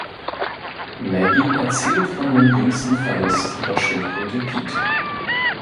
Maggie erzählt von dem jüngsten Verlust ihrer Schildkröte Pete.